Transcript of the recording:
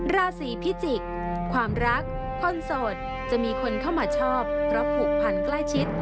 ราศีพิจิกษ์ความรักคนโสดจะมีคนเข้ามาชอบเพราะผูกพันใกล้ชิด